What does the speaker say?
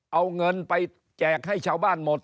เอาเงินไปแจกให้ชาวบ้านหมด